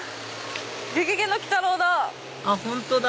『ゲゲゲの鬼太郎』だ！